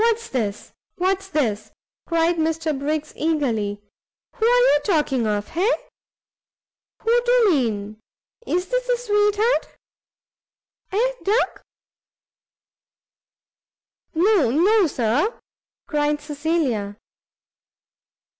"What's this? what's this?" cried Mr Briggs eagerly; "who are talking of? hay? who do mean? is this the sweet heart? eh, Duck?" "No, no, Sir," cried Cecilia.